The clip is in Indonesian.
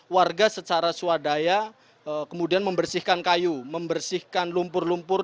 warga secara swadaya kemudian membersihkan kayu membersihkan lumpur lumpur